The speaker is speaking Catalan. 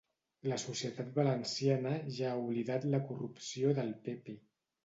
La societat valenciana ja ha oblidat la corrupció del pe pe